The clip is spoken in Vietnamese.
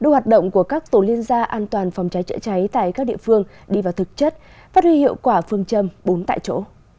hội thi nghiệp vụ chữa cháy tại các địa phương đi vào thực chất phát huy hiệu quả phương châm bốn tại chỗ